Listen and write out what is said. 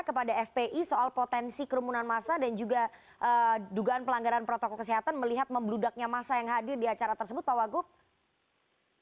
kepada fpi soal potensi kerumunan massa dan juga dugaan pelanggaran protokol kesehatan melihat membludaknya masa yang hadir di acara tersebut pak wagub